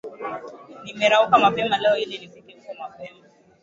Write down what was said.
Nimerauka mapema leo ili nifike huko mapema